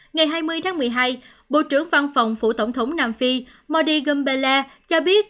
ngày hai mươi tháng một mươi hai bộ trưởng văn phòng phủ tổng thống nam phi modi gamea cho biết